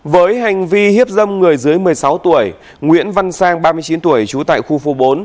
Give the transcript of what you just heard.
với hành vi hiếp dâm người dưới một mươi sáu tuổi nguyễn văn sang ba mươi chín tuổi trú tại khu phố bốn